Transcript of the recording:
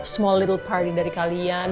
small leadle party dari kalian